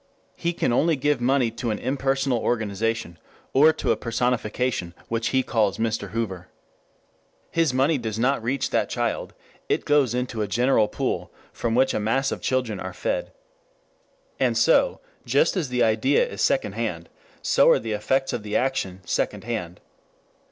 He can only give money to an impersonal organization, or to a personification which he calls Mr. Hoover. His money does not reach that child. It goes to a general pool from which a mass of children are fed. And so just as the idea is second hand, so are the effects of the action second hand.